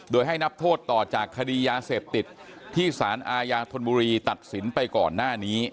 โดยให้นับโทษต่อจากคดียาเสพติดที่สารอาญาธนบุรีตัดสินไปก่อนหน้านี้